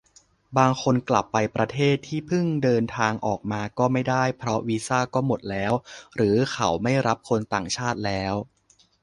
บางคนกลับไปประเทศที่เพิ่งเดินทางออกมาก็ไม่ได้ เพราะวีซ่าก็หมดแล้วหรือเขาไม่รับคนต่างชาติแล้ว